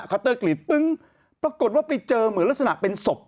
เตอร์กรีดปึ้งปรากฏว่าไปเจอเหมือนลักษณะเป็นศพ